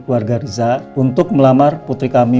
keluarga riza untuk melamar putri kami